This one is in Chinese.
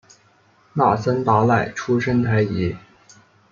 那森达赖出身台吉。